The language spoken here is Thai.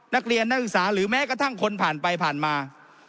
นักเรียนนักศึกษาหรือแม้กระทั่งคนผ่านไปผ่านมา